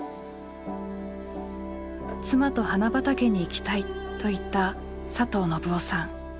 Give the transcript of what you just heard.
「妻と花畑に行きたい」と言った佐藤信男さん。